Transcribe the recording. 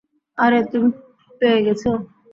আরে, তুমি পেয়ে গেছো।